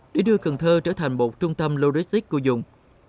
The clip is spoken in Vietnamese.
để đưa cần thơ trở thành một trung tâm loristik cư dùng